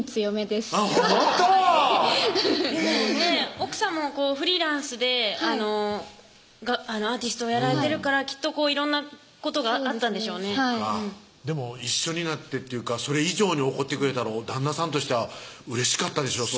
でもね奥さまもフリーランスでアーティストをやられてるからきっと色んなことがあったんでしょうねでも一緒になってっていうかそれ以上に怒ってくれたの旦那さんとしてはうれしかったでしょう